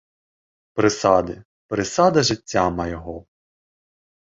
Прысады, прысады жыцця майго!